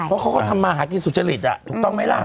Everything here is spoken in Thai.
เพราะเขาก็ทำมาหากินสุจริตถูกต้องไหมล่ะ